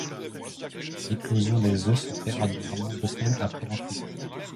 L’éclosion des œufs se fait ordinairement deux semaines après l’enfouissement.